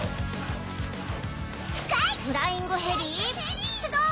フライングヘリ出動！